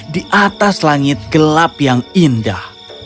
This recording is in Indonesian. di atas langit gelap yang indah